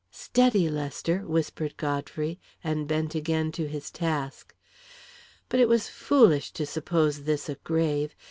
"Steady, Lester!" whispered Godfrey, and bent again to his task. But it was foolish to suppose this a grave!